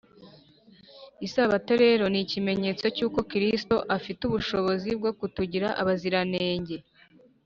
isabato rero ni ikimenyetso cy’uko kristo afite ubushobozi bwo kutugira abaziranenge